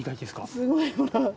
すごいほら。